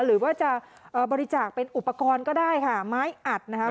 หรือว่าจะบริจาคเป็นอุปกรณ์ก็ได้ค่ะไม้อัดนะคะ